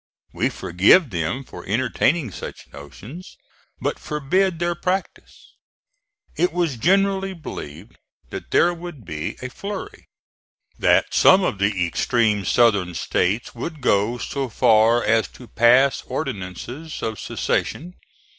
We forgive them for entertaining such notions, but forbid their practice. It was generally believed that there would be a flurry; that some of the extreme Southern States would go so far as to pass ordinances of secession.